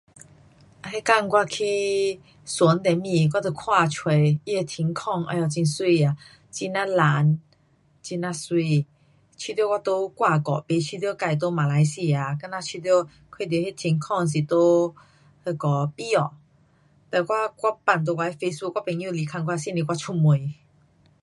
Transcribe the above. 那天我去船上面我就看出它的天空，唉呀很美呀。很呐蓝，很呐美。觉得我在外国，不觉得自在马来西亚。我觉得看到那天空是在那下美国，了我，我放在我 facebook 我朋友来问我是不我出门。